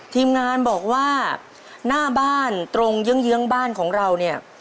ทีมงานบอกว่าหน้าบ้านตรงเยื้องบ้านของเราเนี่ย